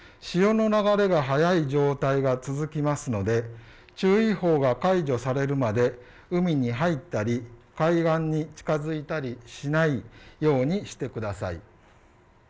潮の流れが速い状態が続きますので注意報が解除されるまで海に入ったり海岸に近づいたりしないようにしてください。